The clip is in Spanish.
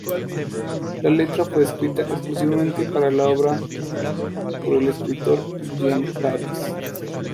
La letra fue escrita exclusivamente para la obra por el escritor Jean Paris.